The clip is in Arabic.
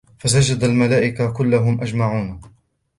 فَسَجَدَ الْمَلَائِكَةُ كُلُّهُمْ أَجْمَعُونَ